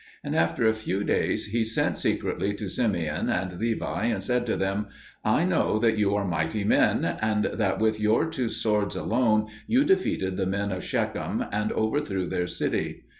And after a few days he sent secretly to Simeon and Levi, and said to them, "I know that you are mighty men, and that with your two swords alone you defeated the men of Shechem and overthrew their city.